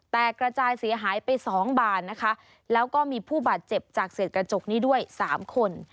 กระจายเสียหายไปสองบานนะคะแล้วก็มีผู้บาดเจ็บจากเศษกระจกนี้ด้วยสามคน